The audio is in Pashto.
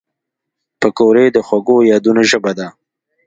پکورې د خوږو یادونو ژبه ده